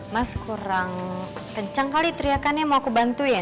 mas kurang kenceng kali teriakannya mau aku bantuin